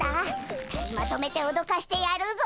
２人まとめておどかしてやるぞ！